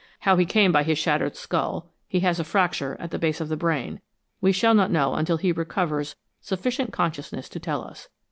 How he came by his shattered skull he has a fracture at the base of the brain we shall not know until he recovers sufficient consciousness to tell us.